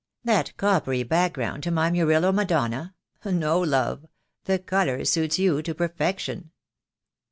"That coppery background to my Murillo Madonna. No, love; the colour suits you to perfection."